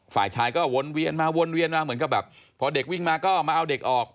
ฝ่ายชายก็วนเวียนมาวนเวียนมาเหมือนกับแบบพอเด็กวิ่งมาก็มาเอาเด็กออก